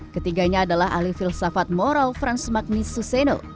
ketiganya adalah ahli filsafat moral franz magnus suseno